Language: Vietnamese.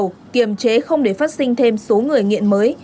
được chặt cung chặt cầu kiềm chế không để phát sinh thêm số người nghiện mới